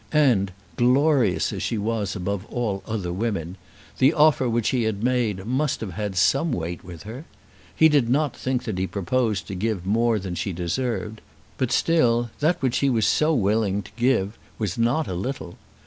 And, glorious as she was above all other women, the offer which he had made must have some weight with her. He did not think that he proposed to give more than she deserved, but still, that which he was so willing to give was not a little.